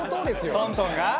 トントンが？